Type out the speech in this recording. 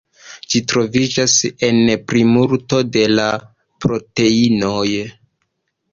Ĝi troviĝas en plimulto de la proteinoj.